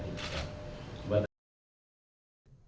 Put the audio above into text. nah jadi sekarang ini